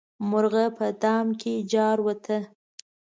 مرغه په دام کې جارووت.